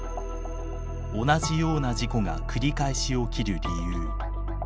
同じような事故が繰り返し起きる理由。